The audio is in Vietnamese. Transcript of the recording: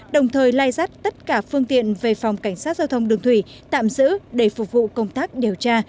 đồng thời lai rắt tất cả phương tiện về phòng cảnh sát giao thông đường thủy tạm giữ để phục vụ công tác điều tra